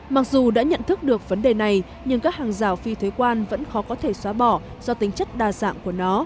mặc dù đã nhận thức được vấn đề này nhưng các hàng rào phi thuế quan vẫn khó có thể xóa bỏ do tính chất đa dạng của nó